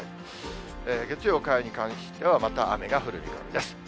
月曜、火曜に関しては、これはまた雨が降る見込みです。